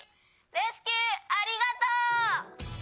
レスキューありがとう！」。